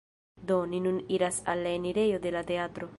Do, ni nun iras al la enirejo de la teatro